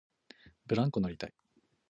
ブランコ乗りたい